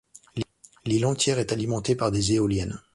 L'île entière est alimentée par des éoliennes.